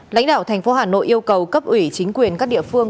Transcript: lãnh đạo thành phố hà nội yêu cầu cấp ủy chính quyền các địa phương